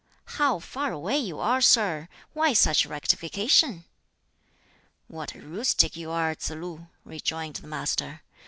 "How far away you are, sir! Why such rectification?" "What a rustic you are, Tsz lu!" rejoined the Master.